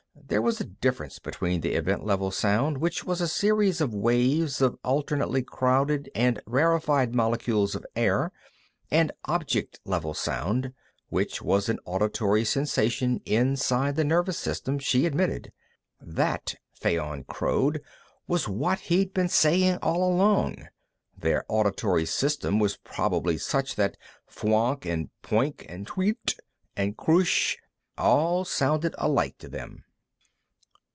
There was a difference between event level sound, which was a series of waves of alternately crowded and rarefied molecules of air, and object level sound, which was an auditory sensation inside the nervous system, she admitted. That, Fayon crowed, was what he'd been saying all along; their auditory system was probably such that fwoonk and pwink and tweelt and kroosh all sounded alike to them.